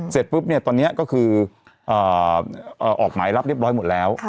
เสร็จปุ๊บเนี่ยตอนนี้ก็คือออกหมายรับเรียบร้อยหมดแล้ว